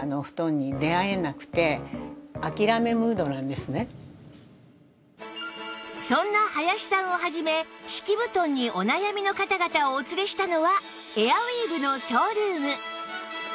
ではそんな林さんを始め敷き布団にお悩みの方々をお連れしたのはエアウィーヴのショールーム